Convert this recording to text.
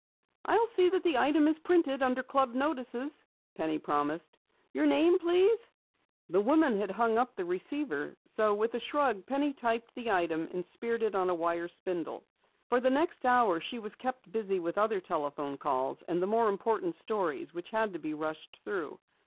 "I'll see that the item is printed under club notices," Penny promised. "Your name, please?" The woman had hung up the receiver, so with a shrug, Penny typed the item and speared it on a wire spindle. For the next hour she was kept busy with other telephone calls and the more important stories which had to be rushed through.